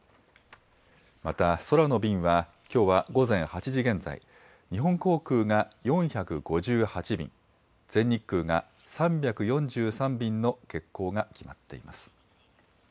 また空の便は、きょうは午前８時現在、日本航空が４５８便、全日空が３４３便の欠航が決まっています。